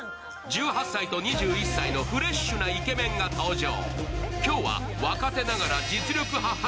１８歳と２１歳のフレッシュなイケメンが登場。